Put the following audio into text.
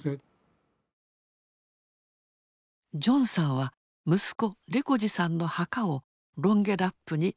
ジョンさんは息子レコジさんの墓をロンゲラップに造っていました。